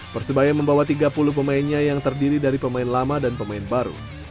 persebaya membawa tiga puluh pemainnya yang terdiri dari pemain lama dan pemain baru